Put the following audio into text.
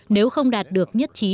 nếu không đạt được nhất trí